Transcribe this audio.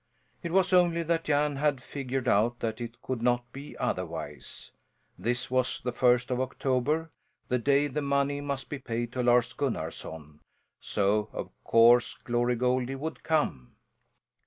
It was only that Jan had figured out that it could not be otherwise. This was the first of October, the day the money must be paid to Lars Gunnarson, so of course Glory Goldie would come.